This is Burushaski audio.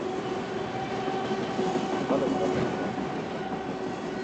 Hale maraquc juwan.